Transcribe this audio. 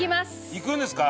いくんですか？